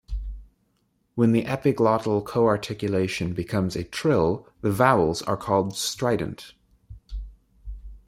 When the epiglottal co-articulation becomes a trill, the vowels are called strident.